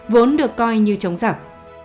vốn được coi như chống giặc